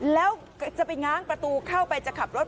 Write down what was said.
แล้วจะไปง้างประตูเข้าไปจะขับรถ